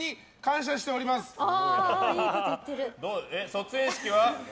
卒園式は？